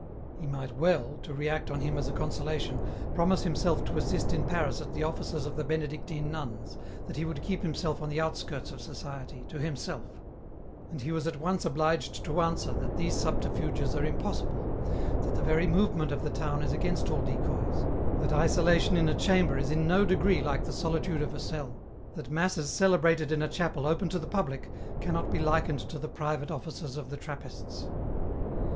EN ROUTE. 287 He might well, to re act on him as a consolation, promise himself to assist in Paris at the offices of the Benedictine nuns, that he would keep himself on the outskirts of society, to himself; and he was at once obliged to answer that these subterfuges are impossible, that the very movement of the town is against all decoys, that isolation in a chamber is in no degree like the solitude of a cell, that masses celebrated in a chapel open to the public cannot be likened to the private Offices of the Trappists.